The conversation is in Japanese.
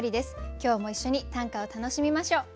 今日も一緒に短歌を楽しみましょう。